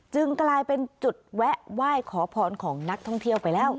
กลายเป็นจุดแวะไหว้ขอพรของนักท่องเที่ยวไปแล้ว